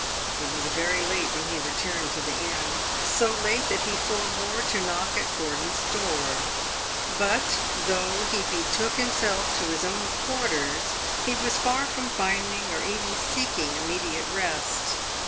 It was very late when he returned to the inn so late that he forbore to knock at Gordon's door. But though he betook himself to his own quarters, he was far from finding, or even seeking, immediate rest.